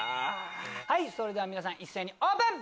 それでは皆さん一斉にオープン！